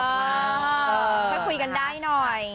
มาคุยกันได้หน่อย